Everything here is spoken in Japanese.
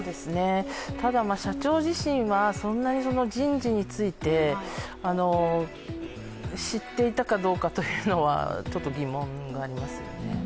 ただ、社長自身はそんなに人事について知っていたかどうかというのはちょっと疑問がありますよね。